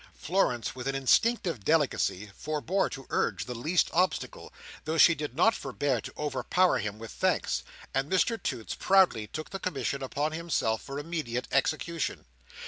Florence, with an instinctive delicacy, forbore to urge the least obstacle, though she did not forbear to overpower him with thanks; and Mr Toots proudly took the commission upon himself for immediate execution.